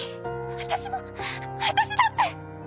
私も私だって！